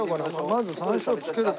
まず山椒付けると。